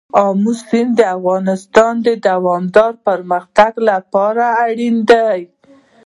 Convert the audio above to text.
آمو سیند د افغانستان د دوامداره پرمختګ لپاره اړین دي.